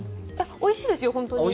おいしいですよ。